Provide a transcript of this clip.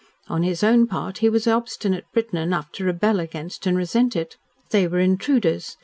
On his own part he was obstinate Briton enough to rebel against and resent it. They were intruders.